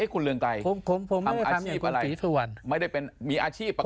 คุณเรืองไกรผมอาชีพอะไรไม่ได้เป็นมีอาชีพปกติ